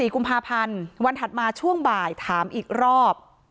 ๔กุมภาพันธ์วันถัดมาช่วงบ่ายถามอีกรอบ